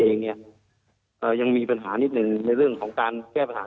เองเนี่ยเอ่อยังมีปัญหานิดหนึ่งในเรื่องของการแก้ปัญหา